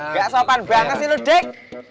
gak sopan banget sih lu dek